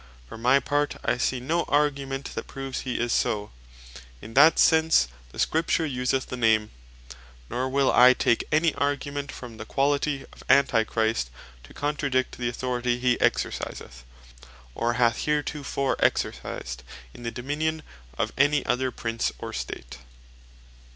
For my part, I see no argument that proves he is so, in that sense that Scripture useth the name: nor will I take any argument from the quality of Antichrist, to contradict the Authority he exerciseth, or hath heretofore exercised in the Dominions of any other Prince, or State.